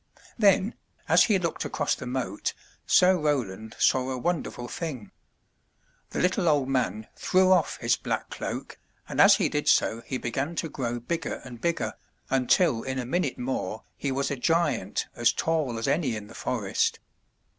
Then, as he looked across the moat. Sir Roland saw a wonder ful thing. The little old man threw off his black cloak, and as he did so he began to grow bigger and bigger, until in a minute more he was a giant as tall as any in the forest.